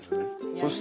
そして。